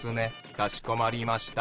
かしこまりました。